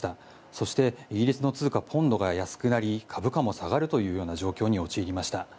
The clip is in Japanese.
そしてイギリスの通貨、ポンドが安くなり株価も下がるというような状況に陥りました。